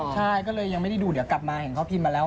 ใช่ก็เลยยังไม่ได้ดูเดี๋ยวกลับมาเห็นเขาพิมพ์มาแล้ว